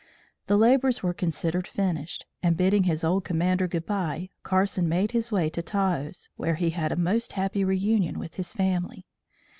The labors were considered finished, and bidding his old commander goodbye, Carson made his way to Taos, where he had a most happy reunion with his family.